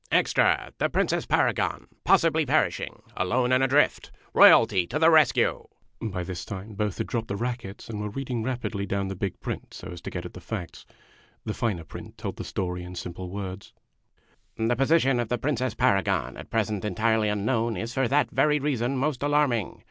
EXTRA. THE PRINCESS PARAGON \ POSSIBLY PERISHING 1 1 ALONE AND ADRIFT \\ ROYALTY TO THE RESCUE 1 1 \ 134 THE PRINCE S COUNCILORS 135 By this time both had dropped the rackets and were reading rapidly down the big print so as to get at the facts. The finer print told the story in simple words. The position of the Princess Paragon at present entirely unknown is for that very reason most alarming.